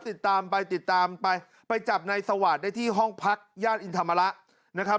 ติดตามไปติดตามไปไปจับในสวาดได้ที่ห้องพักญาติอินธรรมละนะครับ